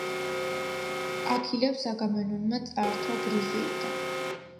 აქილევსს აგამემნონმა წაართვა ბრიზეიდა.